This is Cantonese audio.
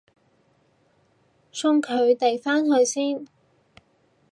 送晒佢哋返去先